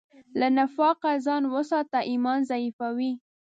له نفاقه ځان وساته، ایمان ضعیفوي.